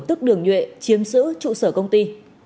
tức đường nhuệ chiếm sử trụ sở công ty